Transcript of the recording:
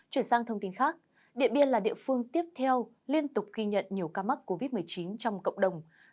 chuyển sang thông tin khác điện biên là địa phương tiếp theo liên tục ghi nhận nhiều ca mắc covid một mươi chín trong cộng đồng